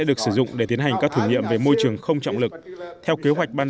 được sử dụng để tiến hành các thử nghiệm về môi trường không trọng lực theo kế hoạch ban